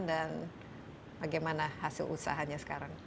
dan bagaimana hasil usahanya sekarang